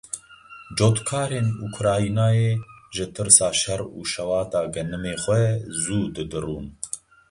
Cotkarên Ukraynayê ji tirsa şer û şewatê genimê xwe zû didirûn.